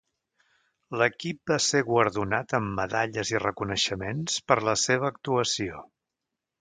L'equip va ser guardonat amb medalles i reconeixements per la seva actuació.